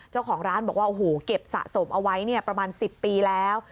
เจ้าของร้านบอกว่าโอ้โหเก็บสะสมเอาไว้ประมาณ๑๐ปีแล้ว